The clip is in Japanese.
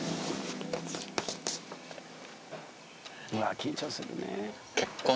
うわあ緊張するね。